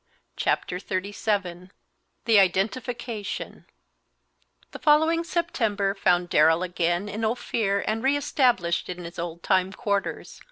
Chapter XXXVII THE IDENTIFICATION The following September found Darrell again in Ophir and re established in his old time quarters.